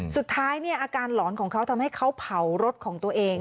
สุดท้ายเนี่ยอาการหลอนของเขาทำให้เขาเผารถของตัวเอง